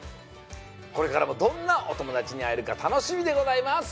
これからもどんなおともだちにあえるかたのしみでございます！